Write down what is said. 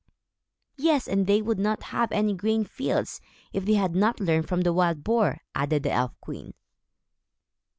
"Yes, and they would not have any grain fields, if they had not learned from the wild boar," added the elf queen.